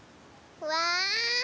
うわ。